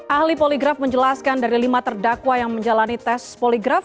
ahli poligraf menjelaskan dari lima terdakwa yang menjalani tes poligraf